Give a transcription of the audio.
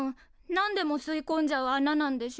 何でも吸いこんじゃう穴なんでしょ。